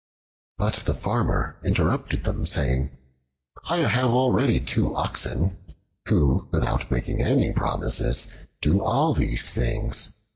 But the Farmer interrupted them, saying: "I have already two oxen, who, without making any promises, do all these things.